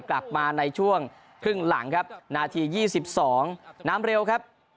กลับกลับมาในช่วงครึ่งหลังครับนาทียี่สิบสองน้ำเร็วครับ